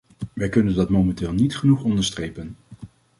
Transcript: Wij kunnen dat momenteel niet genoeg onderstrepen.